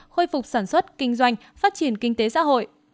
khôi phục sản xuất kinh doanh phát triển kinh tế xã hội